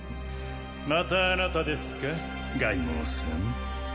またあなたですか凱孟さん。